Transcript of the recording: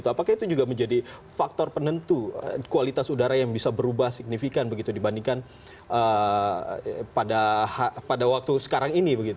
apakah itu juga menjadi faktor penentu kualitas udara yang bisa berubah signifikan begitu dibandingkan pada waktu sekarang ini